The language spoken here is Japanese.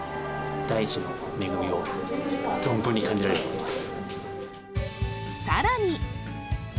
大地の恵みを存分に感じられると思います